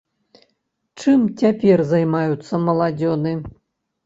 Чым цяпер займаюцца маладзёны?